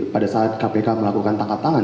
pada saat kpk melakukan tangkap tangan